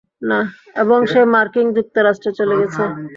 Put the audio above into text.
এবং সে মার্কিন যুক্তরাষ্ট্রে চলে গেছে।